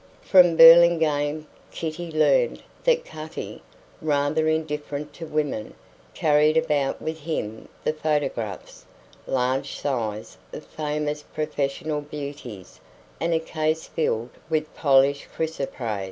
From Burlingame Kitty had learned that Cutty, rather indifferent to women, carried about with him the photographs large size of famous professional beauties and a case filled with polished chrysoprase.